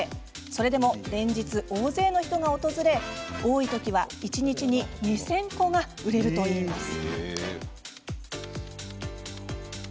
それでも連日大勢の人が訪れ多い時は一日に２０００個が売れるといいます。